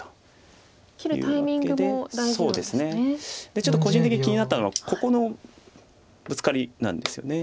ちょっと個人的に気になったのはここのブツカリなんですよね。